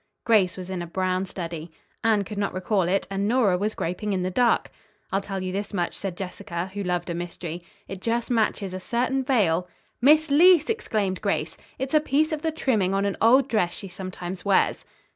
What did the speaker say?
Grace was in a brown study. Anne could not recall it and Nora was groping in the dark. "I'll tell you this much," said Jessica, who loved a mystery; "It just matches a certain veil " "Miss Leece!" exclaimed Grace. "It's a piece of the trimming on an old dress she sometimes wears."